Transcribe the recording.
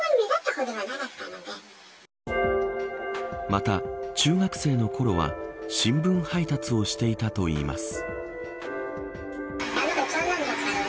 また、中学生のころは新聞配達をしていたといいます。